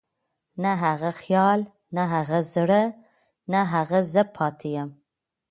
نه هغه خيال، نه هغه زړه، نه هغه زه پاتې يم